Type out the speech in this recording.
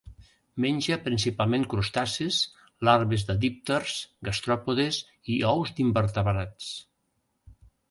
Menja principalment crustacis, larves de dípters, gastròpodes i ous d'invertebrats.